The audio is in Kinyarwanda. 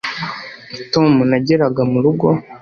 tom nageraga murugo